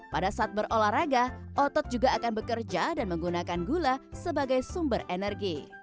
pada saat berolahraga otot juga akan bekerja dan menggunakan gula sebagai sumber energi